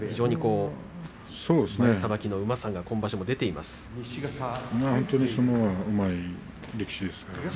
前さばきのうまさが今場所も出ていますね。